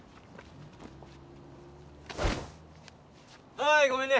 はいごめんね。